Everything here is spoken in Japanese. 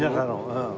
うん。